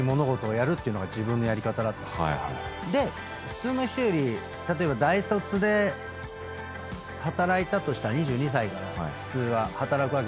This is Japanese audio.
で普通の人より例えば大卒で働いたとしたら２２歳から普通は働くわけじゃないですか。